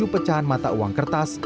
pecahan mata uang kertas